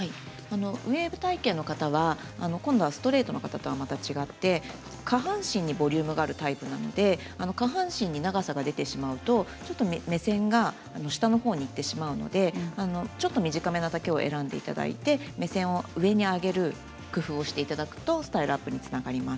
ウエーブ体形の方はストレートの方とはまた違って下半身にボリュームがあるタイプなので下半身に長さが出てしまうとちょっと目線が下のほうにいってしまうのでちょっと短めな丈を選んでいただいて目線を上に上げる工夫をしていただくとスタイルアップにつながります。